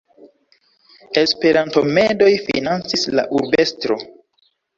Esperanto-medoj financis la Urbestro.